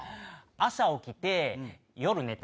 朝起きて、夜寝た。